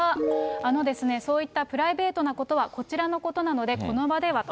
あのですね、そういったプライベートなことは、こちらのことなので、この場ではと。